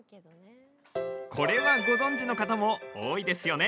これは、ご存じの方も多いですよね。